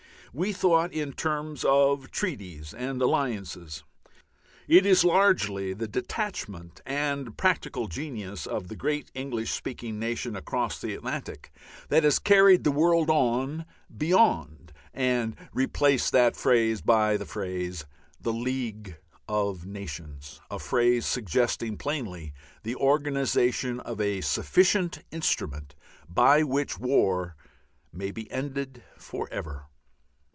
We thought in terms of treaties and alliances. It is largely the detachment and practical genius of the great English speaking nation across the Atlantic that has carried the world on beyond and replaced that phrase by the phrase, "The League of Nations," a phrase suggesting plainly the organization of a sufficient instrument by which war may be ended for ever.